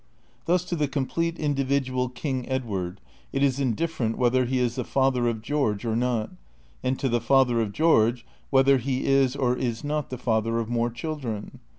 Thus to the complete individual King Edward it is indifferent whether he is the father of George or not, and to the father of George whether he is or is not the father of more children.